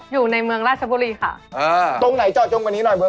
อยู่ในเมืองราชบุรีค่ะอ่าตรงไหนเจาะจงกว่านี้หน่อยเบอร์